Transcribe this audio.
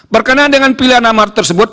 berkenaan dengan pilihan amar tersebut